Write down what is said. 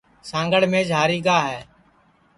سانگڑ میچ ہری گا ہے